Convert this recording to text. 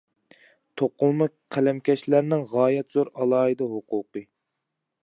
توقۇلما قەلەمكەشلەرنىڭ غايەت زور ئالاھىدە ھوقۇقى.